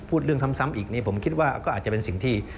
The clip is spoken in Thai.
พูดเรื่องซ้ำอีกนี่ผมคิดว่าก็อาจจะเป็นสิ่งที่